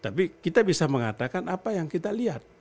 tapi kita bisa mengatakan apa yang kita lihat